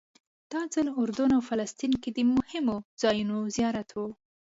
دا ځل اردن او فلسطین کې د مهمو ځایونو زیارت و.